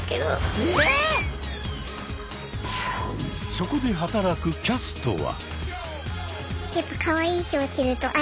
そこで働くキャストは。